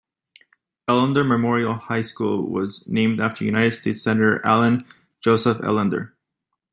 Ellender Memorial High School was named after United States Senator Allen Joseph Ellender.